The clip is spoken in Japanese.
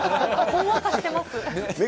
ほんわかしてます。